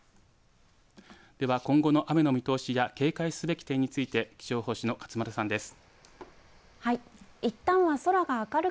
では今後の雨の見通しや警戒すべき点について気象予報士の勝丸さんです。